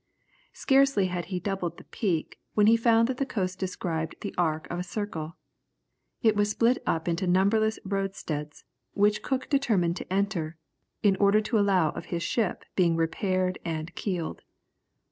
Scarcely had he doubled the peak, when he found that the coast described the arc of a circle. It was split up into numberless roadsteads, which Cook determined to enter, in order to allow of his ship being repaired and keeled.